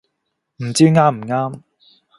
唔知啱唔啱